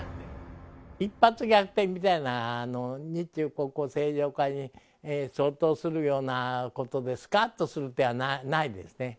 一発逆転みたいな日中国交正常化に相当するようなことで、すかっとする手はないですね。